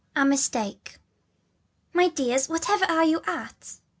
A MISTAKE. " 7t /j~Y dears, whatever are you at?